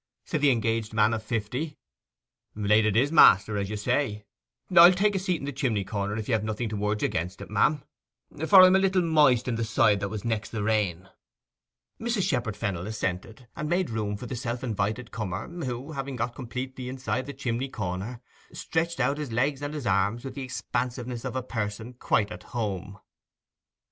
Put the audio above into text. said the engaged man of fifty. 'Late it is, master, as you say.—I'll take a seat in the chimney corner, if you have nothing to urge against it, ma'am; for I am a little moist on the side that was next the rain.' Mrs. Shepherd Fennel assented, and made room for the self invited comer, who, having got completely inside the chimney corner, stretched out his legs and his arms with the expansiveness of a person quite at home.